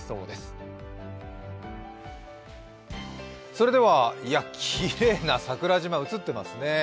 それでは、きれいな桜島、映っていますね。